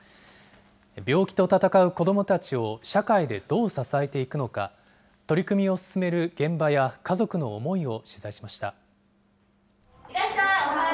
病気と闘う子どもたちを社会でどう支えていくのか、取り組みを進める現場や、家族の思いを取材しました。